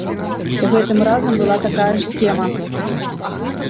Гэтым разам была такая ж схема.